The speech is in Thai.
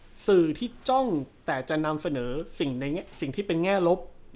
สื่อที่จ้องแต่จะนำเสนอสิ่งที่เป็นแง่ลบ